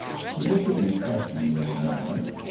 He looked at me questioningly a moment.